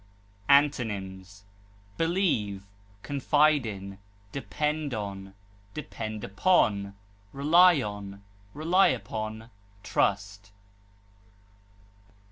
_ Antonyms: believe, depend on, depend upon, rely on, rely upon, trust.